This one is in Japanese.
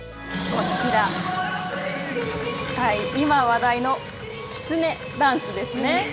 こちら、今、話題のきつねダンスですね。